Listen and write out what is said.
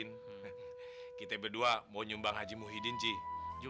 nih keja posted pupils menambah seharian ya